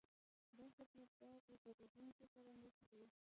دا خدمتګر له پیرودونکو سره مرسته کوي.